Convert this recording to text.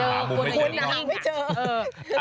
เดินคุณภาพไม่เจอ